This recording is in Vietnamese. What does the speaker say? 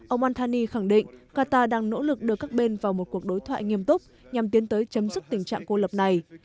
ông antoni khẳng định qatar đang nỗ lực đưa các bên vào một cuộc đối thoại nghiêm túc nhằm tiến tới chấm dứt tình trạng cô lập này